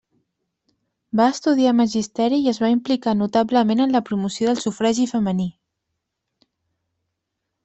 Va estudiar magisteri i es va implicar notablement en la promoció del sufragi femení.